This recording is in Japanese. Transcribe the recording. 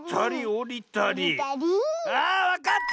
あわかった！